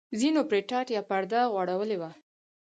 ځینو پرې ټاټ یا پرده غوړولې وه.